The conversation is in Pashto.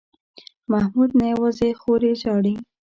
محمود نه یوازې خور یې ژاړي.